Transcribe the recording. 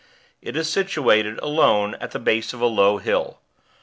It is situated, alone, at the base of a low hill.